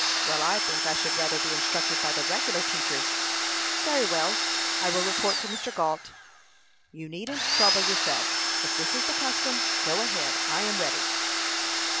"Well, I think I should rather be instructed by the regular teachers." "Very well; I will report to Mr. Gault." "You needn't trouble yourself. If this is the custom, go ahead. I am ready."